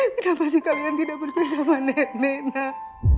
kenapa sih kalian tidak berpisah sama nenek nek